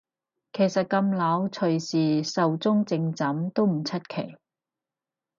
其實咁老隨時壽終正寢都唔出奇